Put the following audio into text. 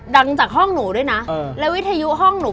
ดังจากห้องหนูด้วยนะแล้ววิทยุห้องหนู